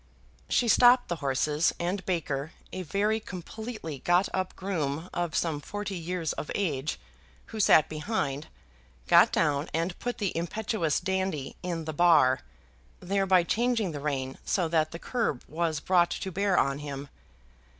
She stopped the horses, and Baker, a very completely got up groom of some forty years of age, who sat behind, got down and put the impetuous Dandy "in the bar," thereby changing the rein, so that the curb was brought to bear on him.